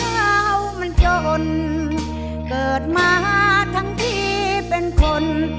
เห่ามันจนเกิดมาทั้งที่เป็นคน